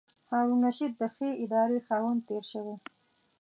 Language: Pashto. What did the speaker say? هارون الرشید د ښې ادارې خاوند تېر شوی.